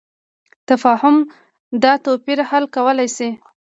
تفاهم دا توپیر حل کولی شي.